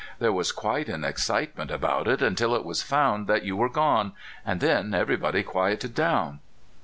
There was quite an excite ment about it until it was found that you were gone, and then everybody quieted down."